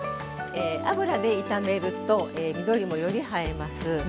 油で炒めると緑もよく映えます。